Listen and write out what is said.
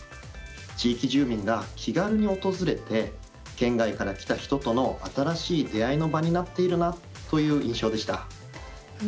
地域住民が気軽に訪れて県外から来た人との新しい出会いの場になっているなという印象でした。